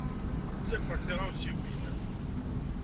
Nettaker tiɣawsiwin.